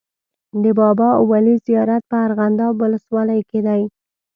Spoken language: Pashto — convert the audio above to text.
د بابا ولي زیارت په ارغنداب ولسوالۍ کي دی.